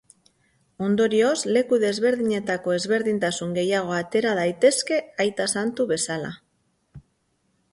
Ondorioz leku desberdinetako ezberdintasun gehiago atera daitezke Aita Santu bezala.